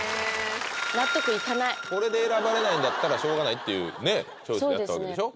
これで選ばれないんだったらしょうがないっていうねっ勝負やったわけでしょ？